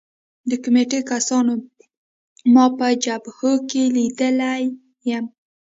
د کمېټې کسانو ما په جبهو کې لیدلی یم